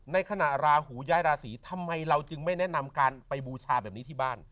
ในขณะราหูย้ายราศีทำไมเราจึงไม่แนะนำการไปบูชาแบบนี้ที่บ้าน